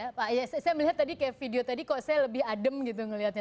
saya melihat video tadi kok saya lebih adem gitu ngelihatnya